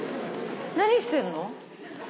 何してんの？